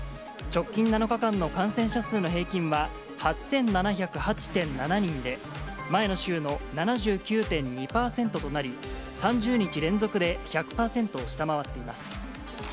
直近７日間の感染者数の平均は、８７０８．７人で、前の週の７９．２％となり、３０日連続で１００％を下回っています。